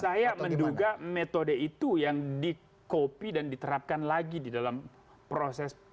saya menduga metode itu yang di copy dan diterapkan lagi di dalam proses